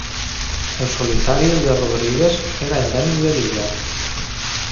El solitari de Rodrigues era endèmic de l'illa.